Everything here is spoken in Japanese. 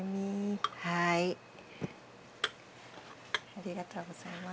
ありがとうございます。